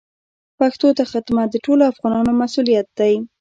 پښتو ته خدمت د ټولو افغانانو مسوولیت دی.